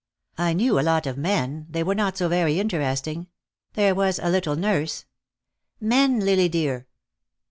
"I knew a lot of men. They were not so very interesting. There was a little nurse " "Men, Lily dear."